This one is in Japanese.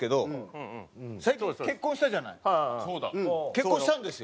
結婚したんですよ。